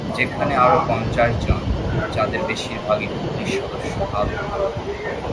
যেখানে আরও পঞ্চাশ জন, যাদের বেশিরভাগ পুলিশ সদস্য, আহত হন।